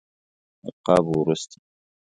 القابو وروسته.